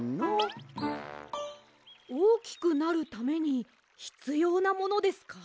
おおきくなるためにひつようなものですか？